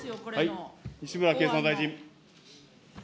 西村経産大臣。